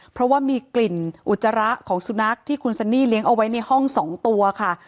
เพราะว่ามีกลิ่นอุจจาระของสุนัขที่คุณซันนี่เลี้ยงเอาไว้ในห้อง๒ตัวค่ะ